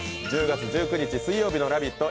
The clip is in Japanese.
１０月１９日水曜日の「ラヴィット！」